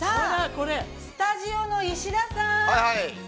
◆スタジオの石田さん。